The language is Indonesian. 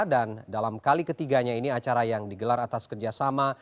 dan dalam kali ketiganya ini acara yang digelar atas kerjasama